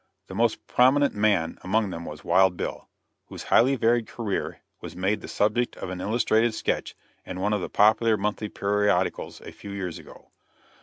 The most prominent man among them was 'Wild Bill,' whose highly varied career was made the subject of an illustrated sketch in one of the popular monthly periodicals a few years ago.